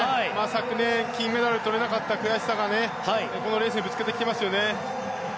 昨年、金メダルを取れなかった悔しさをこのレースにぶつけてきてますね。